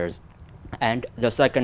bạn vẫn cần